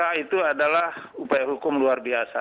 ya pk itu adalah upaya hukum luar biasa